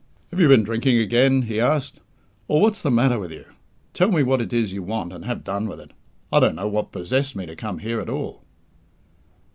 "Have you been drinking again?" he asked, "or what's the matter with you? Tell me what it is you want, and have done with it. I don't know what possessed me to come here at all."